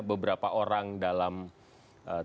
beberapa orang dalam tim kuasa hukum